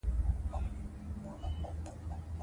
دا موضوع لا هم څېړل کېږي.